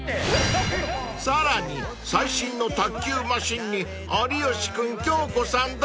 ［さらに最新の卓球マシンに有吉君京子さん大苦戦］